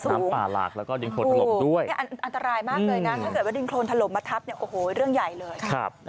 อันตรายมากเลยนะถ้าเกิดริงโครนถลบมาทับเรื่องใหญ่เลย